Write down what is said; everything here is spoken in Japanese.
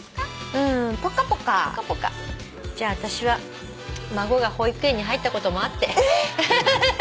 うーん「ポカポカ」じゃあ私は孫が保育園に入ったこともあって。えっ！？